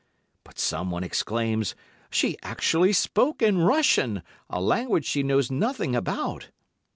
But someone exclaims, "She actually spoke in Russian, a language she knows nothing about."